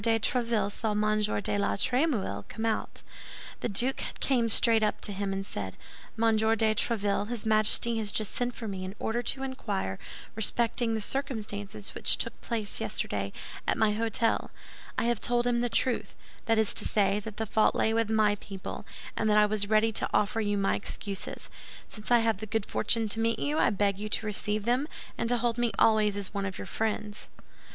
de Tréville saw M. de la Trémouille come out. The duke came straight up to him, and said: "Monsieur de Tréville, his Majesty has just sent for me in order to inquire respecting the circumstances which took place yesterday at my hôtel. I have told him the truth; that is to say, that the fault lay with my people, and that I was ready to offer you my excuses. Since I have the good fortune to meet you, I beg you to receive them, and to hold me always as one of your friends."